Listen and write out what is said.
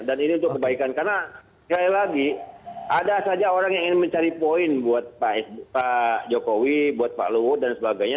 dan ini untuk kebaikan karena sekali lagi ada saja orang yang ingin mencari poin buat pak jokowi buat pak luhut dan sebagainya